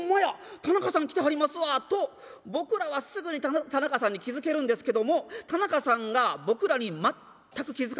田中さん来てはりますわ」と僕らはすぐに田中さんに気付けるんですけども田中さんが僕らに全く気付かないんですね。